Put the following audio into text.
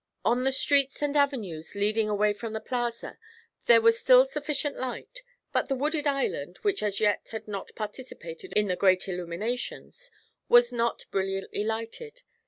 On the streets and avenues leading away from the Plaza there was still sufficient light, but the Wooded Island, which as yet had not participated in the great illuminations, was not brilliantly lighted.